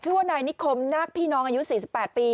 ชื่อว่านายนิคมนาคพี่น้องอายุ๔๘ปี